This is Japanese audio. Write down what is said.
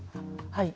はい。